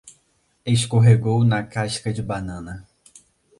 Escorregou na casca de banana